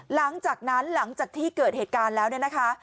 หลังจากนั้นหลังจากที่เกิดเหตุการณ์แล้วเนี่ยนะคะ